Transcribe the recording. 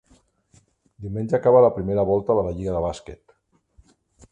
Diumenge acaba la primera volta de la lliga de bàsquet.